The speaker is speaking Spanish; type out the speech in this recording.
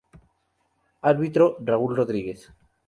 Árbitro: Raúl Rodríguez.